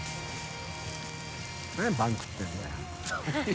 パン食ってんだよ。